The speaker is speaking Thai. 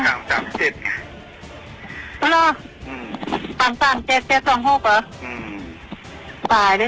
ตายแล้วนี่มันมาดูนี่กลัวช็อกตายเนี่ย